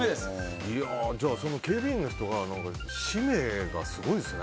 じゃあ、その警備員の人の使命がすごいですね。